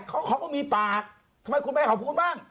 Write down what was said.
เขาก็มีปากทำไมคุณแม่เขาพูดบ้าง